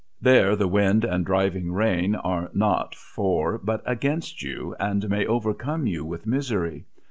There the wind and driving rain are not for but against you, and may overcome you with misery.